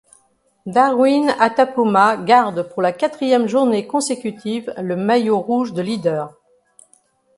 Darwin Atapuma garde pour la quatrième journée consécutive le maillot rouge de leader.